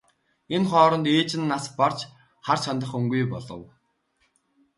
Энэ хооронд ээж нь нас барж харж хандах хүнгүй болов.